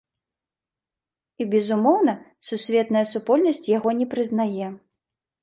І, безумоўна, сусветная супольнасць яго не прызнае.